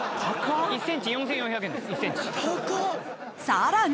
［さらに］